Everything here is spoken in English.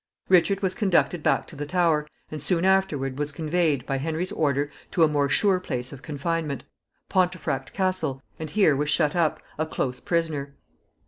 Richard was conducted back to the Tower, and soon afterward was conveyed, by Henry's order, to a more sure place of confinement Pontefract Castle, and here was shut up a close prisoner.